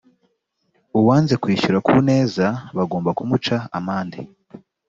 uwanze kwishyura ku neza bagomba kumuca amande